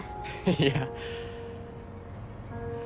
いや。